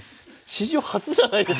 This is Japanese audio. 史上初じゃないですか。